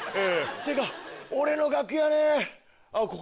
っていうか俺の楽屋ねえ。